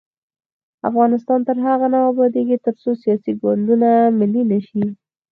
افغانستان تر هغو نه ابادیږي، ترڅو سیاسي ګوندونه ملي نشي.